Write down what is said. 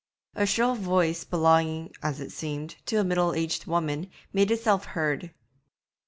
A shrill voice belonging, as it seemed, to a middle aged woman, made itself heard.